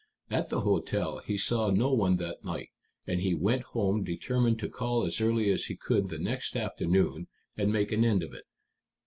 At the hotel he saw no one that night, and he went home determined to call as early as he could the next afternoon, and make an end of it.